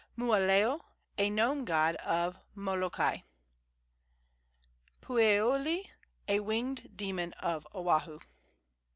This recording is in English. Mooaleo, a gnome god of Molokai. Pueoalii, a winged demon of Oahu.